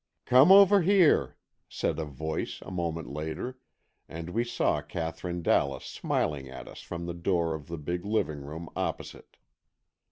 "Come over here," said a voice, a moment later, and we saw Katherine Dallas smiling at us from the door of the big living room opposite.